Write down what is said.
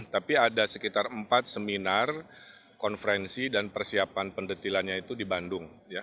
tapi ada sekitar empat seminar konferensi dan persiapan pendetilannya itu di bandung